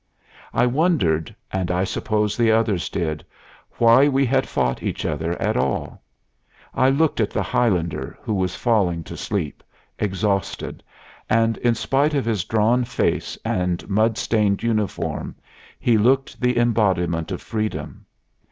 "I wondered and I suppose the others did why we had fought each other at all. I looked at the Highlander, who was falling to sleep, exhausted, and, in spite of his drawn face and mud stained uniform, he looked the embodiment of freedom.